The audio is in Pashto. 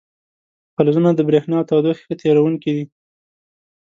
فلزونه د برېښنا او تودوخې ښه تیروونکي دي.